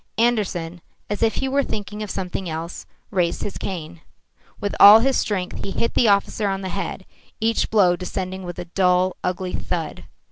Andersen, as if he were thinking of something else, raised his cane. With all his strength he hit the officer on the head, each blow descending with a dull, ugly thud.